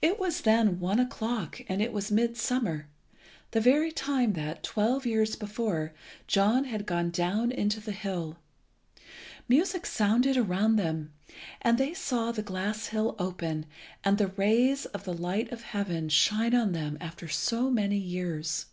It was then one o'clock, and it was midsummer, the very time that, twelve years before, John had gone down into the hill. Music sounded around them, and they saw the glass hill open, and the rays of the light of heaven shine on them after so many years.